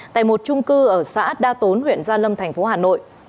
tại một trung cư ở xã đa tốn huyện gia lâm tp hà nội